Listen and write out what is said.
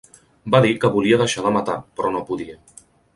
Va dir que volia deixar de matar, però no podia.